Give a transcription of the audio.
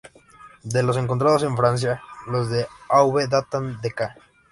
De los encontrados en Francia, los de Aube datan de ca.